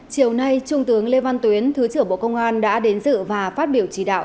chiều nay trung tướng lê văn tuyến thứ trưởng bộ công an đã đến dự và phát biểu chỉ đạo